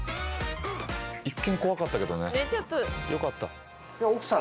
一見怖かったけどねよかった。